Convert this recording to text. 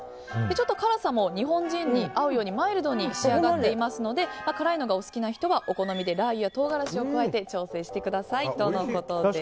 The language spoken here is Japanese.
辛さも日本人に合うようにマイルドに仕上がっていますので辛いのがお好きな人やお好みでラー油た唐辛子を入れて調整してくださいとのことです。